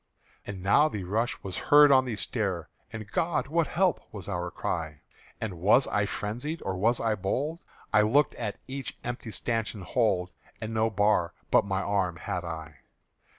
And now the rush was heard on the stair, And "God, what help?" was our cry. And was I frenzied or was I bold? I looked at each empty stanchion hold, And no bar but my arm had I!